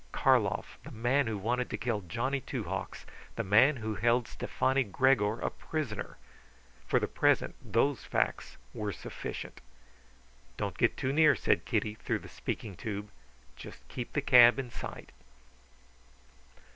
Karlov, the man who wanted to kill Johnny Two Hawks, the man who held Stefani Gregor a prisoner! For the present these facts were sufficient. "Don't get too near," said Kitty through the speaking tube. "Just keep the cab in sight."